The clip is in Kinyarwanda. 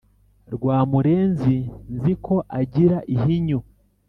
rwamurenzi nzi ko agira ihinyu,